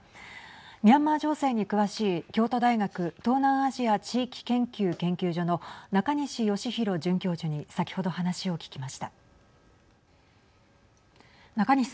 ミャンマー情勢に詳しい京都大学・東南アジア地域研究研究所の中西嘉宏准教授に先ほど話を聞きました。